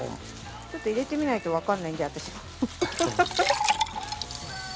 ちょっと入れてみないとわかんないんで私も。